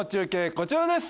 こちらです